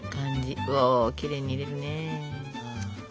おきれいに入れるね。